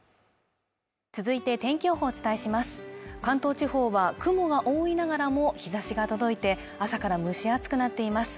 続いて天気予報をお伝えします関東地方は雲が多いながらも日差しが届いて朝から蒸し暑くなっています